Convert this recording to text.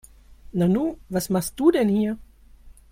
Nanu, was machst du denn hier?